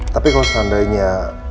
tapi kalau seandainya